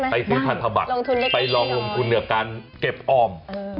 ไปซื้อพันธบัตรไปลองลงทุนกับการเก็บออม